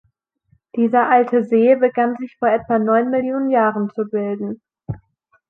Dieser alte See begann sich vor etwa neun Millionen Jahren zu bilden.